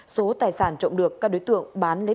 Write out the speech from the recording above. số tài sản trộm được các đối tượng bán lên